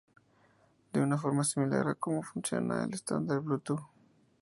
De una forma muy similar a como funciona el estándar Bluetooth.